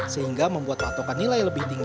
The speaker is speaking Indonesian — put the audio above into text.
sehingga membuat patokan nilai lebih tinggi